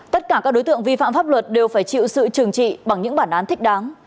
tất cả các đối tượng vi phạm pháp luật đều phải chịu sự trừng trị bằng những bản án thích đáng